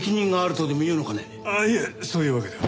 ああいえそういうわけでは。